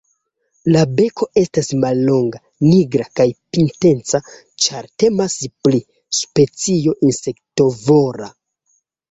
La beko estas mallonga, nigra kaj pinteca, ĉar temas pri specio insektovora.